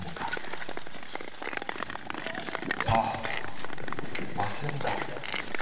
あっ忘れてた。